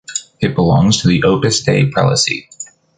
It belongs to the Opus Dei prelacy.